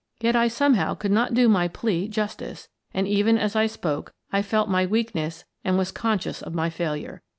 Yet I somehow could not do my plea jus tice, and, even as I spoke, I felt my weakness and was conscious of my failure.